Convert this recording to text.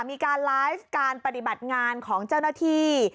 มีการไลฟ์การปฏิบัติงานของเจ้าหน้าที่